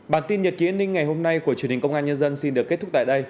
bản tin nhật ký an ninh ngày hôm nay của truyền hình công an nhân dân xin được kết thúc tại đây